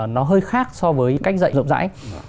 nó hơi khác so với cách dạy rộng rãi